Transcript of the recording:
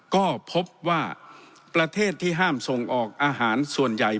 ก็พบว่าประเทศที่ห้ามส่งออกอาหารส่วนใหญ่